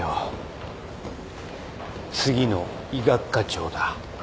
次の医学科長だ。